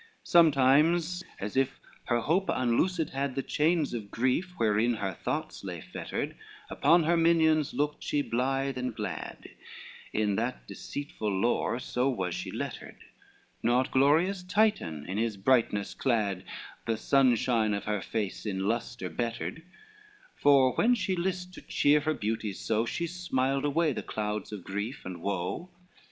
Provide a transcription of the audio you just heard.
XCI Sometimes, as if her hope unloosed had The chains of grief, wherein her thoughts lay fettered, Upon her minions looked she blithe and glad, In that deceitful lore so was she lettered; Not glorious Titan, in his brightness clad, The sunshine of her face in lustre bettered: For when she list to cheer her beauties so, She smiled away the clouds of grief and woe.